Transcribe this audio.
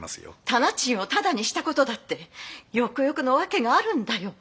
店賃をただにした事だってよくよくの訳があるんだよ。